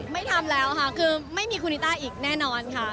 ไม่ทำแล้วค่ะคือไม่มีคุณนิต้าอีกแน่นอนค่ะ